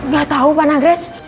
gak tahu pak nagres